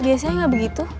biasanya gak begitu